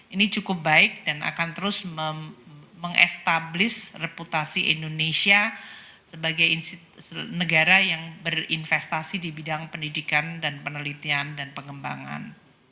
ini cukup baik dan akan terus mengestablis reputasi indonesia sebagai negara yang berinvestasi di bidang pendidikan dan penelitian dan pengembangan